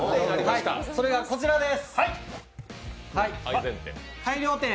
それがこちらでーす。